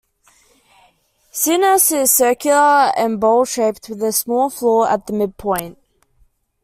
Sinas is circular and bowl-shaped, with a small floor at the midpoint.